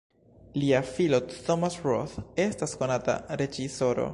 Lia filo Thomas Roth estas konata reĝisoro.